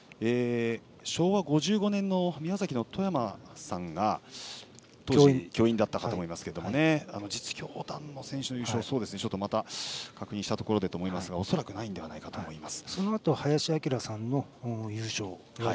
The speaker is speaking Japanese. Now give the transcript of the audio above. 昭和５５年の宮崎のとやまさんが教員だったかと思いますが実業団の選手の優勝はまた確認したところでと思いますが恐らくないのではないかと思います。